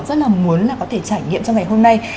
rất là muốn là có thể trải nghiệm trong ngày hôm nay